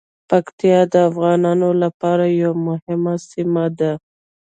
پکتیا د افغانانو لپاره یوه مهمه سیمه ده.